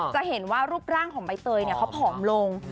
จะเห็นว่ารูปร่างของใบเตยเขาผอมลง